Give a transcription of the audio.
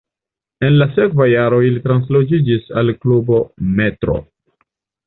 En la sekva jaro ili translokiĝis al klubo Metro.